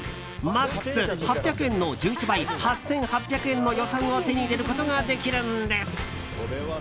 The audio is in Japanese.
マックス８００円の１１倍８８００円の予算を手に入れることができるんです。